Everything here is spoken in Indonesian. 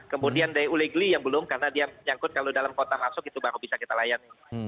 kemudian dari ulegli yang belum karena dia nyangkut kalau dalam kota masuk itu baru bisa kita layani